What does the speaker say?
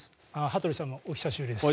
羽鳥さんもお久しぶりです。